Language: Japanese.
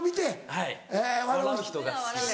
はい笑う人が好きです。